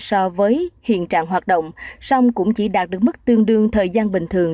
so với hiện trạng hoạt động song cũng chỉ đạt được mức tương đương thời gian bình thường